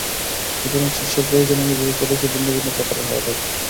সুতরাং শিষ্যের প্রয়োজন অনুযায়ী উপদেশও ভিন্ন ভিন্ন প্রকারের হওয়া দরকার।